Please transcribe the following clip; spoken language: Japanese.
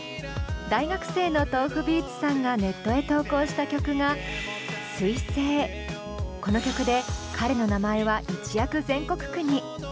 大学生のｔｏｆｕｂｅａｔｓさんがネットへ投稿した曲がこの曲で彼の名前は一躍全国区に。